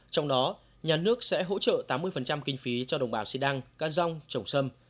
trong đó nhà nước sẽ hỗ trợ tám mươi kinh phí cho đồng bào xi đăng ca rong trồng sâm